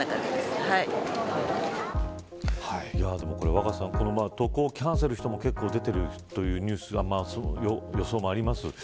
若狭さん、渡航をキャンセルする人も出てきているというニュースの予想もあります。